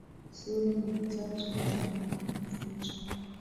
sura mia tatu na arobaini na tatu